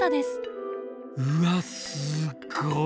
うわすっごい